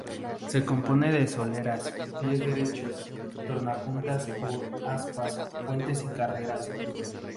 Se compone de soleras, pies derechos, tornapuntas o aspas, puentes y carreras.